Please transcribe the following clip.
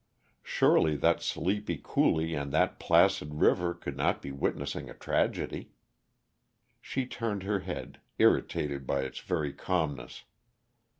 Surely that sleepy coulee and that placid river could not be witnessing a tragedy. She turned her head, irritated by its very calmness.